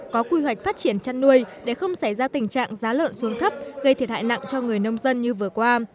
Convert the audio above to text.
có quy hoạch phát triển chăn nuôi để không xảy ra tình trạng giá lợn xuống thấp gây thiệt hại nặng cho người nông dân như vừa qua